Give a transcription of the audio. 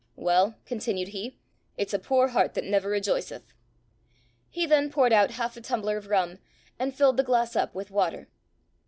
"Well," continued he, "it's a poor heart that never rejoiceth." He then poured out half a tumbler of rum, and filled the glass up with water.